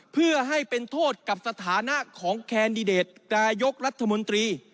เพื่อให้เป็นโทษกับสถานะของแคนดิเดตนายกรัฐมนตรี